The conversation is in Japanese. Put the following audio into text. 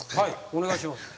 お願いします。